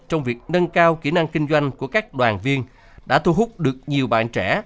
trong việc nâng cao kỹ năng kinh doanh của các đoàn viên đã thu hút được nhiều bạn trẻ